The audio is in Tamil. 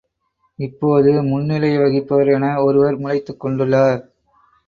இப்போது முன்னிலை வகிப்பவர் என ஒருவர் முளைத்துக் கொண்டுள்ளார்.